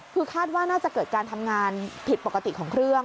คือคาดว่าน่าจะเกิดการทำงานผิดปกติของเครื่อง